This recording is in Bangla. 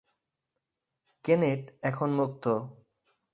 কেনেট এখন মুক্ত।